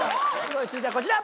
続いてはこちら。